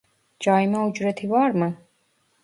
Cayma ücreti var mı